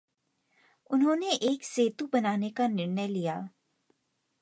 उन्होंने एक सेतु बनाने का निर्णय लिया।